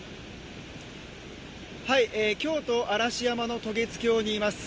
京都・嵐山の渡月橋にいます。